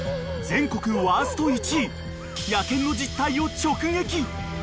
［全国ワースト１位野犬の実態を直撃］